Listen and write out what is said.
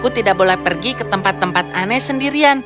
aku tidak boleh pergi ke tempat tempat aneh sendirian